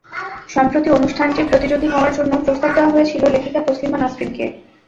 সম্প্রতি অনুষ্ঠানটির প্রতিযোগী হওয়ার জন্য প্রস্তাব দেওয়া হয়েছিল লেখিকা তসলিমা নাসরিনকে।